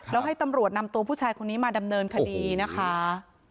แล้วให้ตำรวจนำตัวผู้ชายคนนี้มาดำเนินคดีนะคะ